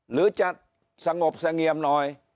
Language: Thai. หรือจะสงบเสงี่ยมหน่อย